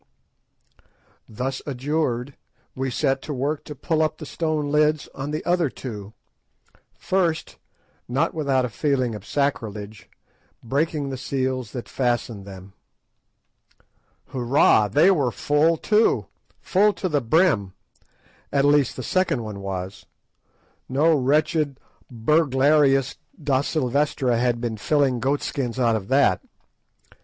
Thus adjured, we set to work to pull up the stone lids on the other two, first—not without a feeling of sacrilege—breaking the seals that fastened them. Hoorah! they were full too, full to the brim; at least, the second one was; no wretched burglarious Da Silvestra had been filling goat skins out of that.